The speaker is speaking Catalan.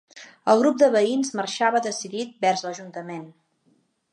El grup de veïns marxava decidit vers l'ajuntament.